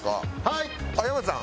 はい。